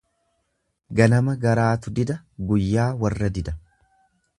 Ganama garaatu dida guyyaa warra dida.